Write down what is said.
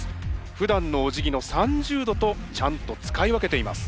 ふだんのおじぎの３０度とちゃんと使い分けています。